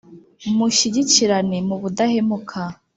Mushyigikirane mu budahemukaaa